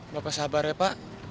bapak sabarnya pak